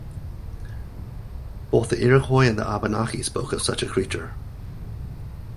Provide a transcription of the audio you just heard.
Both the Iroquois and the Abenaki spoke of such a creature.